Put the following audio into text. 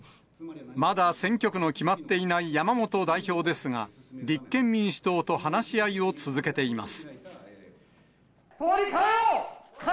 まだ選挙区の決まっていない山本代表ですが、立憲民主党と話し合いを続けています。